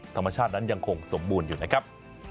ธรรมชาตินั้นยังคงสมบูรณ์อยู่นะครับ